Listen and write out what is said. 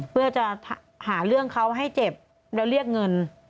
เพื่อจะหาเรื่องเขาให้เจ็บแล้วเรียกเงิน